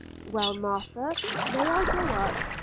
'Well, Martha, may I go up?'